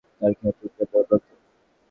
তার খ্যাতির জন্য অন্তত।